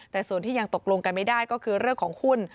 แต่ส่วนที่ยังตกลงกันไม่ได้ก็คือเรื่องของหุ้น